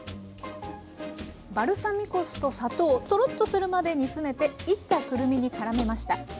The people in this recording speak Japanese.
バルサミコ酢と砂糖トロッとするまで煮詰めていったくるみに絡めました。